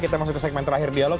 kita masuk ke segmen terakhir dialog